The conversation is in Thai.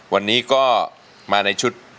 วันนี้ก็มาในชุด